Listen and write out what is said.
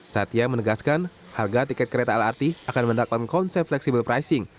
satya menegaskan harga tiket kereta lrt akan mendapat konsep fleksibel pricing